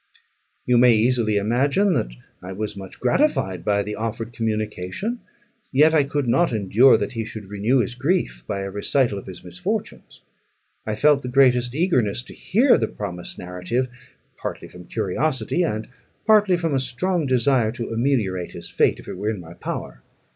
You may easily imagine that I was much gratified by the offered communication; yet I could not endure that he should renew his grief by a recital of his misfortunes. I felt the greatest eagerness to hear the promised narrative, partly from curiosity, and partly from a strong desire to ameliorate his fate, if it were in my power.